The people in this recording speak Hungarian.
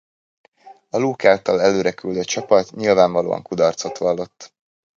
A Luke által előre küldött csapat nyilvánvalóan kudarcot vallott.